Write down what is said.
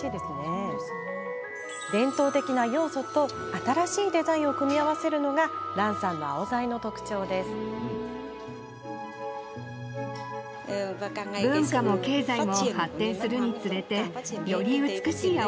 伝統的な要素と新しいデザインを組み合わせるのがランさんのアオザイの特徴です。